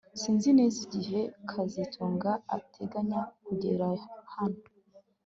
Sinzi neza igihe kazitunga ateganya kugera hano